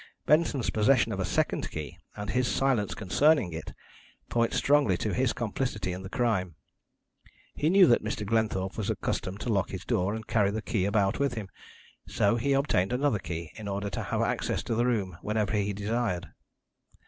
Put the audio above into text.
Benson's possession of a second key, and his silence concerning it, point strongly to his complicity in the crime. He knew that Mr. Glenthorpe was accustomed to lock his door and carry the key about with him, so he obtained another key in order to have access to the room whenever he desired.